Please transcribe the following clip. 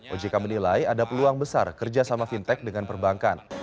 ojk menilai ada peluang besar kerjasama fintech dengan perbankan